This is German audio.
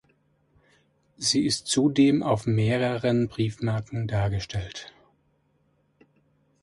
Sie ist zudem auf mehreren Briefmarken dargestellt.